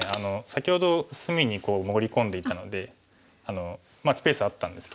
先ほど隅に潜り込んでいったのでスペースあったんです